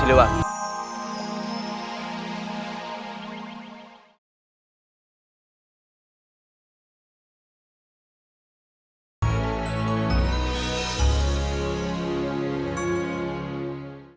dan juga dengan